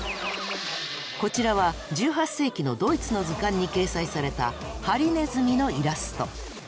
こちらは１８世紀のドイツの図鑑に掲載されたハリネズミのイラスト。